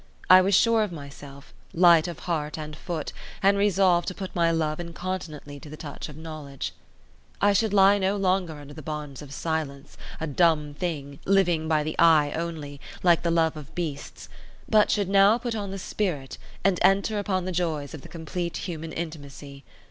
I was sure of myself, light of heart and foot, and resolved to put my love incontinently to the touch of knowledge. It should lie no longer under the bonds of silence, a dumb thing, living by the eye only, like the love of beasts; but should now put on the spirit, and enter upon the joys of the complete human intimacy.